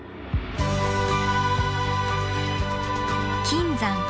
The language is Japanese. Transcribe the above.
金山